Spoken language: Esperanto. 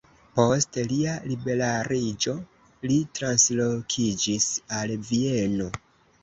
Post lia liberiĝo li translokiĝis al Vieno.